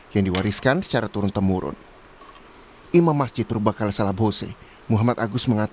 yang diwariskan sejak tahun dua ribu